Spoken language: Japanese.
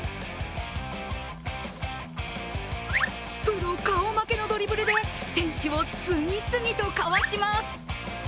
プロ顔負けのドリブルで選手を次々とかわします。